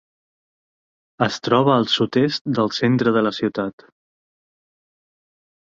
Es troba al sud-est del centre de la ciutat.